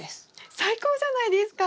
最高じゃないですか！